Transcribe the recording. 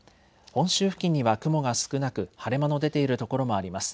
本州付近には雲が少なく晴れ間の出ている所もあります。